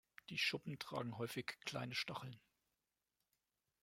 Die Schuppen tragen häufig kleine Stacheln.